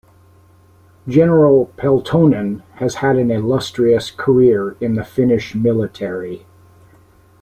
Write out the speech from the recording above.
General Peltonen has had an illustrious career in the Finnish Military.